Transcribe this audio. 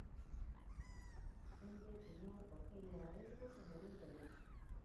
Cenlle, Piñor, Porqueira e Esgos son algúns deles.